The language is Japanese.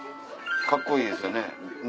カッコいいですよね